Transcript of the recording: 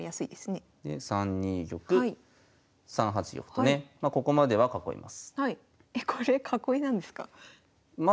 で３二玉３八玉とねここまでは囲います。